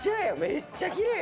めっちゃきれい。